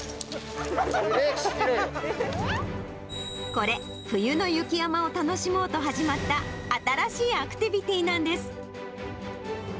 これ、冬の雪山を楽しもうと始まった新しいアクティビティーなんです。